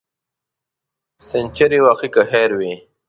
سینچري وهې که خیر وي.